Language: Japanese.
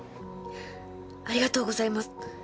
ありがとうございます。